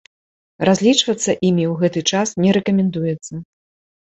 Разлічвацца імі ў гэты час не рэкамендуецца.